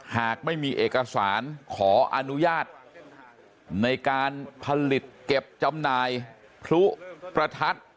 หากไม่มีเอกสารขออนุญาตในการผลิตเก็บจำหน่ายพลุประทัด